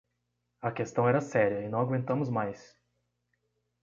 A questão era séria e não aguentamos mais.